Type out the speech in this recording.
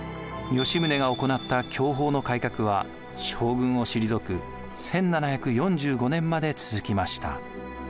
吉宗が行った享保の改革は将軍を退く１７４５年まで続きました。